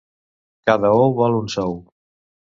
Cada ou val un sou.